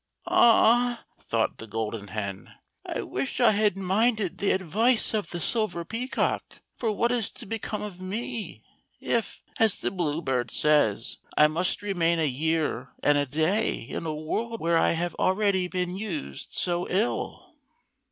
" Ah !" thought the Golden Hen, " I wish I had minded the advice of the Silver Peacock, for what is to become of me, if, as the Blue Bird says, I must remain a year and a day in a world where I have already been used so ill."